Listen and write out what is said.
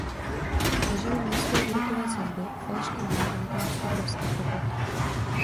Zažili nízké úrokové sazby, falešný boom a nakonec obrovský propad.